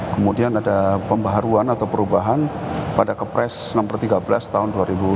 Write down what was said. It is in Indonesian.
kemudian ada pembaruan atau perubahan pada kepres nomor tiga belas tahun dua ribu sembilan belas